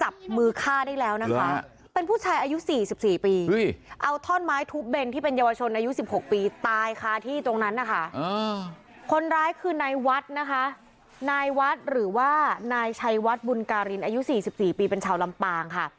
บุญการินอายุ๔๔ปีเป็นชาวลำปางค่ะ